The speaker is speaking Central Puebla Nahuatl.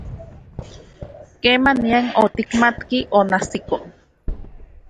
¿Kemanian otikmatki oniajsiko?